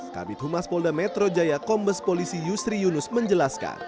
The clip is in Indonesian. kabit humas polda metro jaya kombes polisi yusri yunus menjelaskan